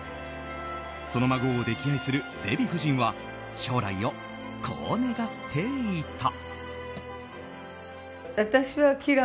その孫を溺愛するデヴィ夫人は将来をこう願っていた。